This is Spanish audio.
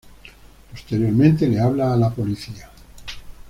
Posteriormente, le habla a la policía.